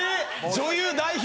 ・・女優代表？